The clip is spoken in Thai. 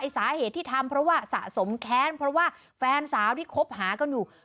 สาเหตุที่ทำเพราะว่าสะสมแค้นเพราะว่าแฟนสาวที่คบหากันอยู่